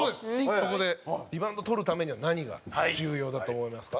そこでリバウンド取るためには何が重要だと思いますか？